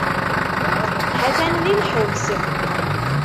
Ha-t-an di lḥebs.